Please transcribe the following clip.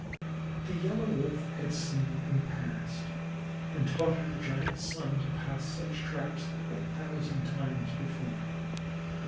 The Yellow Wolf had seen and passed, and taught her giant son to pass, such traps a thousand times before.